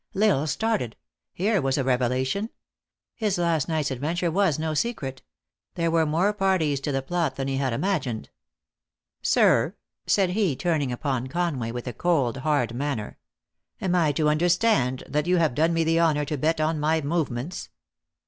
L Isle started. Here was a revelation ! His last night s adventure was no secret. Thefe were more parties to the plot than he had imagined. " Sir !" said he, turning upon Con way, with a cold, hard manner. "Am I to understand that you have done me the honor to bet on my movements?"